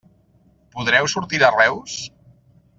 Podreu sortir de Reus?